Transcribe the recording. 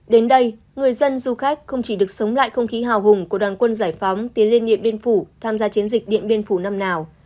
đến đây người dân du khách không chỉ được sống lại không khí hào hùng của đoàn quân giải phóng tiến lên điện biên phủ tham gia chiến dịch điện biên phủ năm nào